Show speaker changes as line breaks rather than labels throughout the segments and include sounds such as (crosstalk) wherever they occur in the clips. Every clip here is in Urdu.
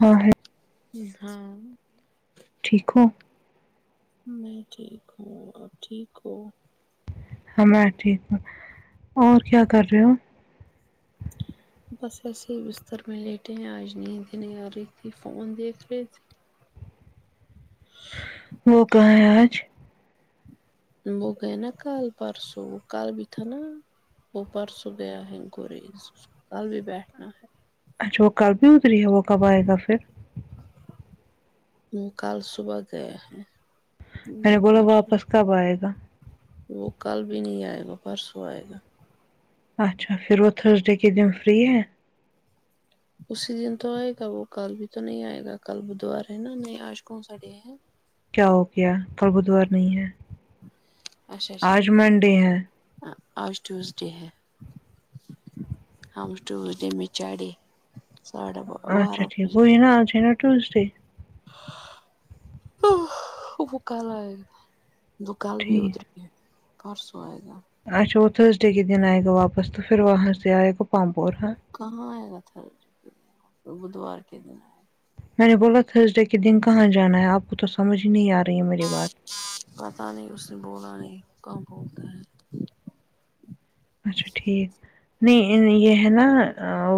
ہاں
ہاں
ٹھیکو
میں ٹھیک ہوں اپ ٹھیک ہو
ہ میں ٹھیک ہوں اور کیا کر رہے ہو
بس ایسے ہی بستر میں لیٹے ہیں آج نیندہی نہیں تھی فون دیکھ رہے تھے
وہ کہاں ہے آج
وہ گئے نا کل پرارسو کل بی تھانا وہ پرسوں گیا ہے انکوریس کل بھی بیٹھنا ہے
اچھا وہ کل بھی اڈری ہے وہ کب آئے گا پھر
کل صبح گئے ہیں
میں نے بولا واپس کب آئے گا
وہ کل بھی نہیں آئے گا پرسوں آئے گا
اچھا پھر وہ تھرسڈے کے دن فری ہے
اسی دن تو آئے گا وہ کل بھی تو نہیں آئے گا کل بدوار ہے نا نہیں آج کون سا ڈے ہے
کیا ہو گیا کل بدوار نہیں ہے
اچھا
آج
اچھا
منڈے ہے
آج ٹیوزڈے ہے ہم ٹیوزڈے میں چاڈے ساڑھے بارہ بجے
ن آج ہے نا ٹوزڈے
وہ کل آئے گا دو کال بھی ادھر کے پرسوں آئے گا
اچا وہ تھرس ڈے کے دن آئے گا واپس پھر وہاں سے آئے گو پامپور ہ
کہاں آئے گا تھر بدوار کے دنئے
میں نے بولا تھرسڈے کے دن کہاں جانا ہے آپ کو تو سمجھ ہی نہیں آ رہی ہے میری بات
پتاہ نہیں اس نے بولا نہیں کہاں بولتے ہیں
اچھا ٹھیک نہیں یہ ہے نا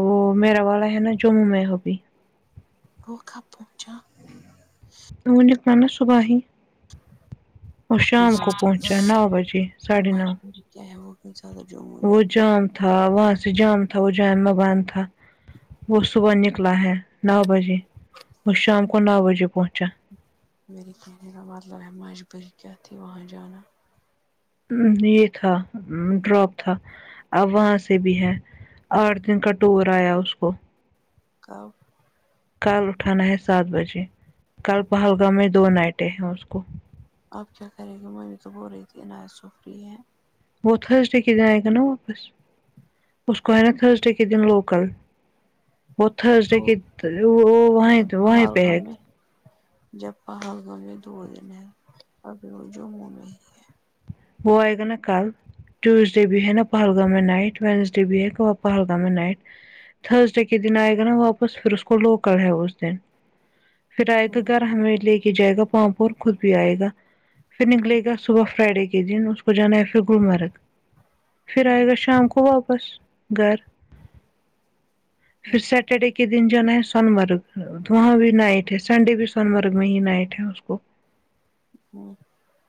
وہ میرا والا ہے نا جموں میں ہوبھی
وہ کب پہنچا
ونیک نان نے صبح ہی اور
ڈاکٹر
شام
جی،
کو پہنچا نو بجے ساڑھے نو وہ
(unintelligible)
جام تھا وہاں سے جام تھا وہ جان بند تھا وہ صبح نکلا ہے نو بجے اور شام کو نو بجے پہنچا
میرے کہنے کا مطلب ہے مجبوری کیا تھی وہاں جانا
یہ تھا ڈراپ تھا اب وہاں سے بھی ہے آٹھ دن کا ٹور آیا اس کو
کب
کل اٹھانا ہے سات بجے کل پہلگام میں دو نائٹیں ہیں اس کو
آپ کیا کریں گی ممی تو بول رہی تھی عایت سفری ہے
وہ تھرزڈے کے دن آئے گا نا واپس اس کو ہے نا تھرزڈے کے دن لوکل وہ
تو
تھرزڈے وہ وہ وہیں پہ ہے
جپا پہلگام میں دو دن ہے اور جو منہ میں
وہ ایگا نا کل ٹیوزڈے بھی ہے نا پہلگام میں نائٹ وینزڈے بھی ہے پہلگام میں نائٹ تھرزڈے کے دن آئے گا نا واپس پھر اس کو لوکل ہے اس دن پھر آئے گا
ہمم
گھر ہمیں لے کے جائے گا پاں پ اور خود بھی آئے گا پھر
ہمم
نکلے گا صبح فرائیڈے کے دن کو جانا ہے پھر گلمرگ پھر آئے گا شام کو واپس گھر پھر سٹرڈے کے دن جا نا ہے سونمرگ وہاں بھی نائٹ ہے سنڈے بھی سونمرگ میں ہی نائٹ ہے اس کو
اور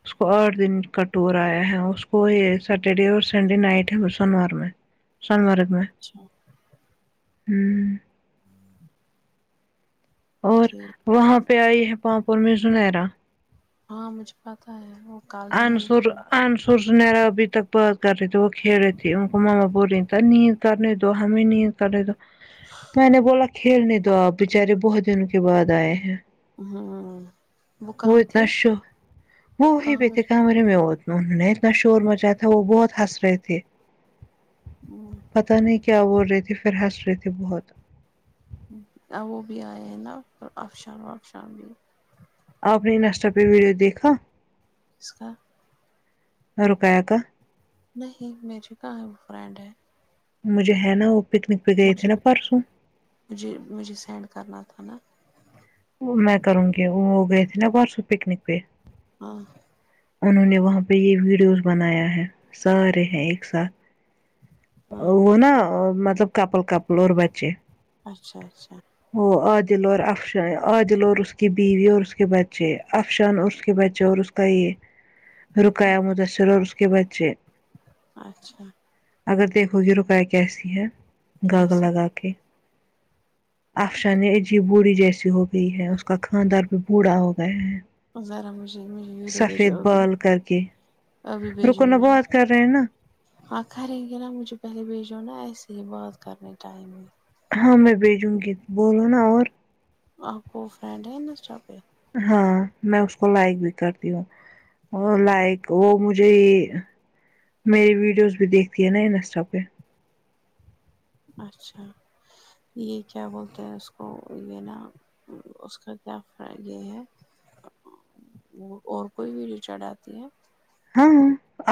اس کو آٹھ دن ک ٹور آیا ہے اس کو یہ سیٹرڈے اور سنڈے نائٹ ہے سونمرگ سونمرگ میں
اچھا
ہوں اور
ٹھیک
وہاں پہ آئی ہے پاپور میں زنیرا
ہاں مجھے پتا ہے وہ کال ہی میں
انصر انصر زنیرا ابھی تک بات کر رہی تھی وہ کھیڑے تھے ان کو ماما بول رہ تھا نیند کرنے تو ہمیں نہیں کر رہے تو میں نے بولا کھیلنے دو آپ بچارے بہت دن کے بعد آئے ہیں
امم وہ کہاں تھے
اتنا شو وہ وہیں
کہاں
پہ
میں
تھے کمرے میں وہ انہوں نے اتنا شور مچایا تھا وہ بہت ہنس رہے تھے
امم
پتہ نہیں کیا بول رہے تھے پھر ہنس رہے تھے بہت
وہ بھی آئے ہیں نا اور افشام آفشام بھی
آپ اپنے انسٹا پہ ویڈیو دیکھا
کسکا
رقیہ کا
نہیں میںجوکا ہے وہ فرینڈ ہے
مجھے ہے نا وہ پکنک پہ گئے تھے
مجھے
نا پرسوں
مجھے مجھے سینڈ کرنا تھا نا
میں کروں گی وہ گئے تھے نا پرسو پکنک پہ
ہاں
انہوں نے وہاں پہ یہ ویڈیوز بنایا ہے سارے ہیں ایک ساتھ
ہاں
وہ نا مطلب کپل کپل اور بچے
اچھا اچھا
وہ عادل اور افشان عادل اور اس کی بیوی اور اس کے بچے افشان اور اس کے بچے جو اور اس کا یہ رکایا مدثر اور اس کے بچے
اچھا
اگر دیکھو گی رکائی کیسی ہے گاگل
کیسے
لگا کے افشان عجیب بوڑھی جیسی ہو گئی ہے اس کا خاندان بھی بوڑھا ہو گیا ہیں
ذرا مجھے مجھے ویڈیو بھیجو ابھی
کر کے
ابھی بھیجو
رکو نا
مجھے
بات کر رہے ہیں نا
ہاں ٹھرینگے نا مجھے پہلے بھیجو نا ایسے ہی بات کرنے ٹائم میں
ہاں میں بھیجوں گی بولو نا اور
آپ کو فرینڈ ہے نا انسٹا پہ
ہاں میں اس کو لائک بھی کرتی ہوں اور لائک وہ مجھے میرے ویڈیوز تو دیکتی ہے نا انسٹا پہ
اچھا یہ کیا بولتے ہیں اس کو یہ نا اس کا کیا فرق یہ ہے اور کوئی بھی ری چڈ آتی ہے
ہاں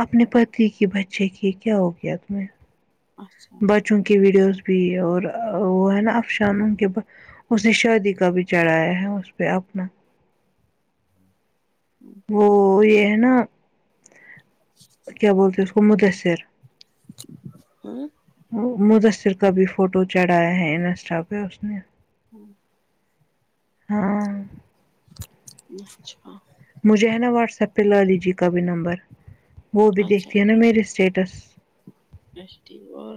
اپنے پتی کی بچے کی کیا ہو گیا تمہیں
اچھا اچھا
بچوں کی ویڈیوز بھی اور وہ ہے نا افشانوں کے اس سے شادی کا بھی چڑھایا ہے اس پہ اپنا وہ یہ ہے نا کیا بولتے اس کو مدثر
امم
مدثر کا بھی فوٹو چڑھایا ہے انسٹا پہ اس نے ہاں
اچھا
مجھے ہے نا واٹس ایپ پہ لا لی جی کا بھی نمبر وہ بھی
اچھا
دیکھتی ہے نا میرے اسٹیٹس
بھیجتی ہوں اور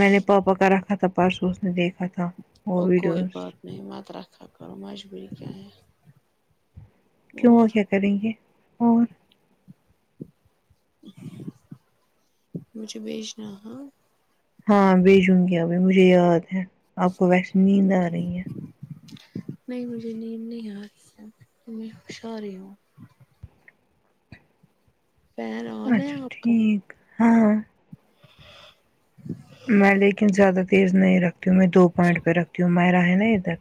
میں نے پاپا کا رکھا تھا پرسوں اس نے دیکھا تھا وہ
اور کوئی
ویڈیوز
بات نہیں مت رکھا کرو مجبوری کیا ہے
کیوں وہ
اور
کیا کریں گے اور
مجھے بیھجنا ہاں
ہاں بھیجوں گی ابھی مجھے یاد ہے آپ کو ویسے نیند آ رہی ہے
نہیں مجھے نیند نہیں آ رہی ہے میں اشار ہی ہوں فین آن ہے
اچھا
آپ کا
ٹھیک ہاں میں لیکن زیادہ تیز نہیں رکھتی ہوں میں دو پوائنٹ پہ رکھتی ہوں میرا ہے نا ادھر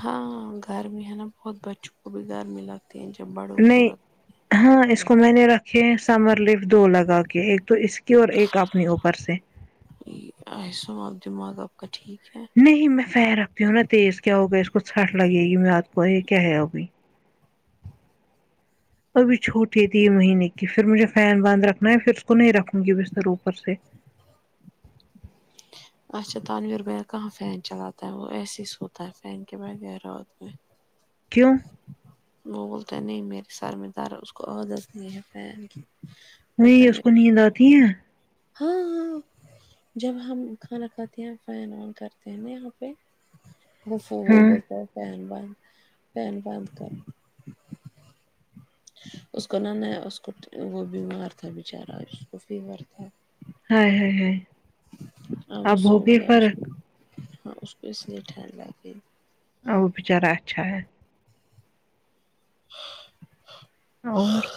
ہاں گرمی ہے نا بہت بچوں کو بھی گرمی لگتی ہے جب بڑوں کو
نہیں
لگ
ہاں اس کو میں نے رکھ یہ سمر لفٹ دو لگا کے ایک تو اس کی اور ایک اپنے اوپر سے
یہ (unintelligible) دماغ آپ کا ٹھیک ہے
نہیں میں فیئر رکھتی ہوں نا تیز کیا ہوگا اس کو ٹھنڈ لگے گی میں آپ کو یہ کیا ہے ابھی (inaudible) ابھی چھوٹی تھی مہینے کی پھر مجھے فین بند رکھنا ہے پھر اس کو نہیں رکھوں گی بستر اوپر سے
(inaudible) اچھا تعویر بیر کہاں فین چلاتا ہے وہ ایسے ہی س ہوتا ہے فین کے بغیر رات میں
کیوں
وہ بولتے نہیں میرے سر میں درد اس کو عادت نہیں ہے فین کی
وہی اس کو نیند آتی ہے
ہاں ہاں جب ہم کھانا کھاتے ہیں فین آن کرتے ہیں نا یہاں پہ گفو وہ
ہاں
بولتا ہے فین بند فین بند کر اس کو نه نه اس کو وہ بیمار تھا بچارا اس کو فیور تھا
ہائے ہائے ہائے
اب (unintelligible) اسکو
ہوگئی فرق
ہاں اس کو اس لیے ٹھنڈ لگ رہی
اور وہ بیچارہ اچھا ہے
(inaudible)
اور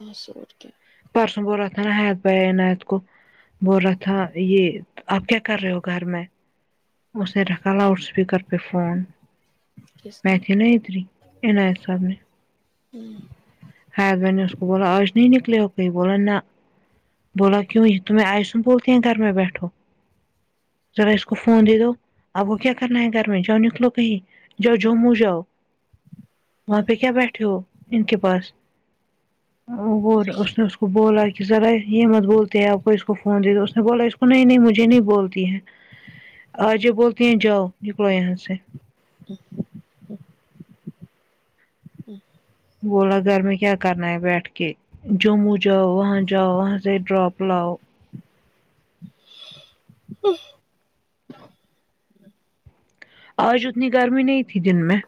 بس اور کیا
پرسوں بولا تھا نہیں حیات بھای عنایت کو بول رہا تھا یہ آپ کیا کر رہے ہو گھر میں اس نے رکھا لاؤڈ اسپیکر پی فون
کس
میں
نے
کہ ن اتری عنایاتساب نے
ہوں
حیات بھای نے اس کو بولا آج نہیں نکلے گا تو یہ بولا نہ بولا کیوں نہی تمہیں آئیسن بولتے ہیں گھر میں بیٹھو ذرا اس کو فون دے دو اب وہ کیا کرنا ہے گھر میں جاؤ نکلو کہیں جاؤ جموں جاؤ وہاں پہ کیا بیٹھے ہو ان کے پاس اور اس نے وہ بولا کہ ذرا یہ مت بولتے ہیں آپ کو اس کو فون دے دو اس نے بولا اس کو نہیں نہیں مجھے نہیں بولتی ہے آجے بولتی ہیں جاؤ نکلو یہاں سے بولا گھر میں کیا کرنا ہے بیٹھ کے کہ جموں جاؤ وہاں جاؤ وہاں سے ڈراپ لاؤ
(inaudible)
آج اتنی گرمی نہیں تھی دن میں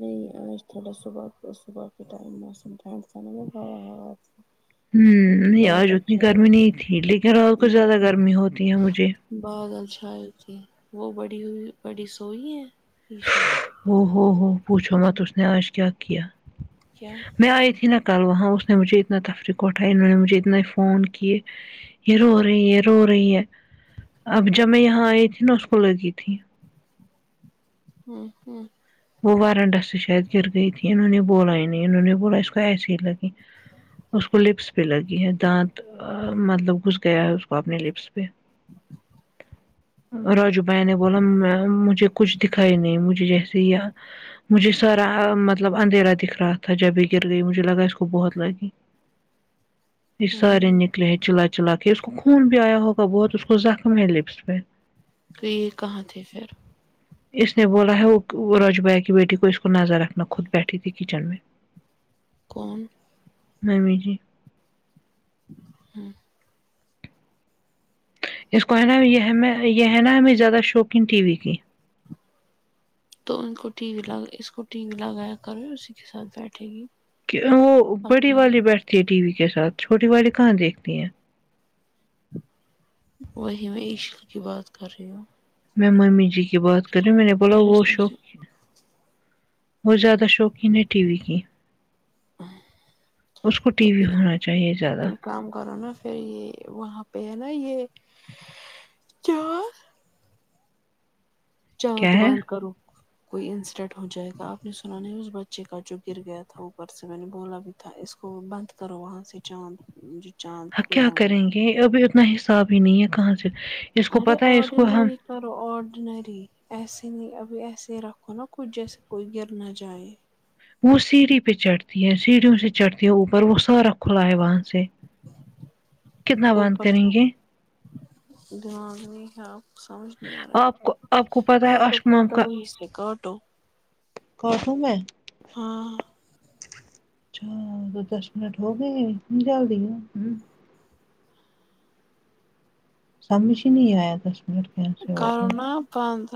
نہیں آج تھوڑا صبح صبح کے ٹائم موسم ٹھنڈ سا تھا بہت
ہ نہیں آج اتنی
چھائے
گرمی
تھے
نہیں تھی لیکن اور کچھ زیادہ
بادل
گرمی ہوتی ہے مجھے
بادل چھائے تھے وہ بڑی ہوئی بڑی سوئی ہے ایشال
ہو ہو ہو پوچھو مت آج اس نے کیا کیا
کیا
میں آئی تھی نہ کل وہاں اس نے مجھے اتنا تفریق اٹھائی انہوں نے مجھے اتنے فون کیے یہ رو رہی ہے رو رہی ہے اب جب میں یہاں آئی تھی نا اس کو لگی تھی
ہوں ہوں
وہ وارنڈس سے شاید گر گئی تھی انہوں نے بولا ہی نہیں انہوں نے بولا اس کو ایسی ہی لگی اس کو لیپس پہ لگی ہے دانت مطلب گھس گیا ہے اس کو اپنے لیپس پہ راجو بھائی نے بولا میں مجھے کچھ دکھائی نہیں مجھے جیسے یاد مجھے سارا مطلب اندھیرا دکھ رہا تھا جب بھی گر گئی مجھے لگا اس کو بہت لگی یہ سارے
ہوں
نکلے ہیں چلا چلا کے اس کو خون بھی آیا ہوگا بہت اس کو زخم ہے لپس پہ
کہ یہ (unintelligible) کہاں تھے پھر
اس نے بولا ہے وہ راجو بھائی کی بیٹی کو اس کو نظر رکھنا خود بیٹھی تھی کچن میں
کون
(unintelligible) نہیں م جی
ہمم
اس کو ہے نا یہ یہ ہے نا ہمیں زیادہ شوقین ٹی وی کی
تو ان کو ٹی وی ل اس کو ٹی وی لگایا کر اسی کے ساتھ بیٹھے گی
کہ وہ بڑی
اپنے
والی
گھر
بیٹھتی ہے ٹی وی کے ساتھ چھوٹی والی کہاں دیکھتی ہیں
وہی میں اسی کی بات کر رہی ہوں
میں ممی جی کی بات کر رہی ہوں میں نے بولا
اچھا
وہ
اچھا
شوق
اچھا
بہت زیادہ شوقین ہے ٹی وی کی اس کو ٹی
تو
وی
یہ
ہونا چاہیے زیادہ
ایک کام کرو نا پھر یہ وہاں پہ ہے نا یہ چ
کیا
چاتھ
ہے
بند کرو کوئی انسیڈنٹ ہو جائے گا آپ نے سنا نہیں اس بچے کا جو گر گیا تھا اوپر سے میں نے بولا بھی تھا اس کو بند کرو وہاں سے چاند چاند
کیا
کھلا ہے وہ۔
کریں گے ابھی اتنا حساب ہی نہیں ہے کہاں سے اس کو
ارے
پتا ہے اس کو ہم
آرڈنری کرو آرڈنری ایسے نہیں ابھی ایسے ہی رکھو نا کچھ جیسے کوئی گر نہ جائے
وہ سیڑھی پہ چڑھتی ہے سیڑھیوں سے چڑھتی ہے اوپر وہ سارا کھلا ہے وہاں سے کتنا بند
اوپر
کریں
سے
گے
دماغ نہیں ہے سمجھ نہیں آ رہا
آپ کو
ہے
آپ کو پتا ہے
کاٹو کاٹو وہی سے کاٹو
کاٹو میں
ہاں
اچھا تو دس منٹ ہو گئے نکال دینگے ہمم سمج ہی نہیں ایا دس منٹ کیسے ہو گئے
کرونا بند